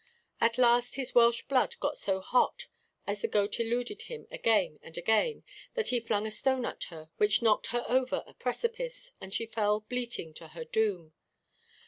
At last his Welsh blood got so hot, as the goat eluded him again and again, that he flung a stone at her, which knocked her over a precipice, and she fell bleating to her doom.